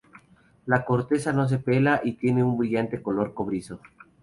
La corteza no se pela y tiene un brillante color rojo cobrizo.